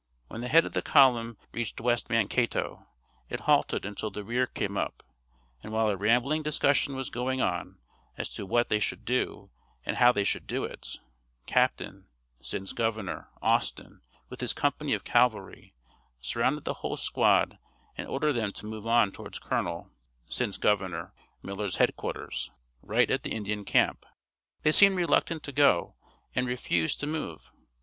When the head of the column reached West Mankato it halted until the rear came up, and while a rambling discussion was going on as to what they should do and how they should do it, Capt. (since governor) Austin with his company of cavalry, surrounded the whole squad and ordered them to move on towards Colonel (since governor) Miller's headquarters, right at the Indian camp. They seemed reluctant to go, and refused to move.